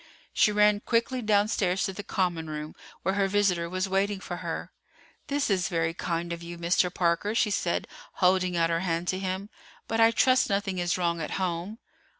She ran quickly downstairs to the common room, where her visitor was waiting for her. "This is very kind of you, Mr. Parker," she said, holding out her hand to him; "but I trust nothing is wrong at home?"